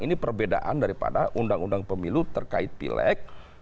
ini perbedaan daripada undang undang pemilu terkait pilek